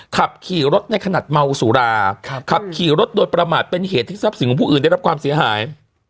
ขับขี่รถในขณะเมาสุราขับขี่รถโดยประมาทเป็นเหตุที่ทรัพย์สินของผู้อื่นได้รับความเสียหาย